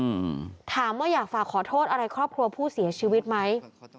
อืมถามว่าอยากฝากขอโทษอะไรครอบครัวผู้เสียชีวิตไหม